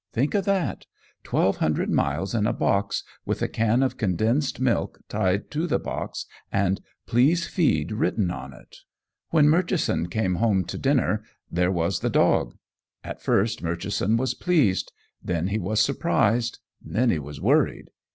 Think of that! Twelve hundred miles in a box, with a can of condensed milk tied to the box and "Please feed" written on it. [Illustration: frontispiece] When Murchison came home to dinner, there was the dog. At first Murchison was pleased; then he was surprised; then he was worried.